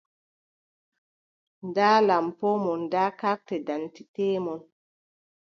Ndaa lampo mon, daa kartedendite mon.